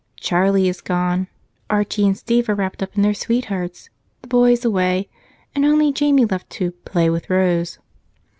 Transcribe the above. Charlie is gone, Archie and Steve are wrapped up in their sweethearts, the boys away, and only Jamie left to 'play with Rose.'?